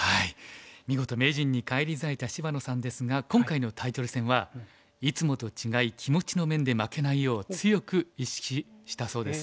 見事名人に返り咲いた芝野さんですが今回のタイトル戦はいつもと違い気持ちの面で負けないよう強く意識したそうです。